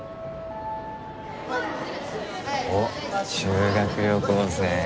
おっ修学旅行生。